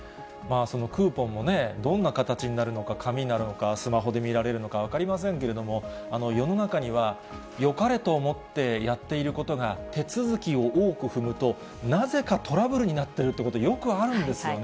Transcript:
そのクーポンもね、どんな形になるのか、紙なのか、スマホで見られるのか分かりませんけれども、世の中には、よかれと思ってやっていることが、手続きを多く踏むと、なぜかトラブルになっているということ、よくあるんですよね。